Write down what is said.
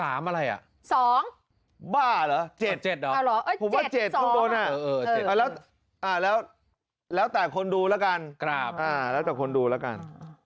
๓อะไรอ่ะบ้าเหรอ๗ผมว่า๗ข้างบนอ่ะแล้วแต่คนดูแล้วกัน